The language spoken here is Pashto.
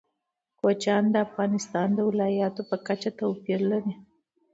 کوچیان د افغانستان د ولایاتو په کچه توپیر لري.